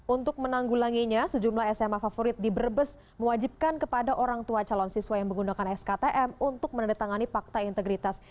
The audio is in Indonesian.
untuk menanggulanginya sejumlah sma favorit di brebes mewajibkan kepada orang tua calon siswa yang menggunakan sktm untuk menandatangani fakta integritas